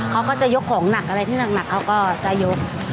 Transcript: เขาก็จะยกของหนักอะไรที่หนักเขาก็จะยก